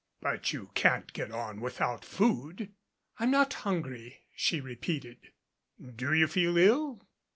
"But you can't get on without food." "I'm not hungry," she repeated. "Do you feel ill?